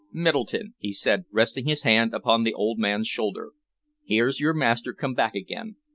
"Middleton," he said, resting his hand upon the old man's shoulder, "here's your master come back again.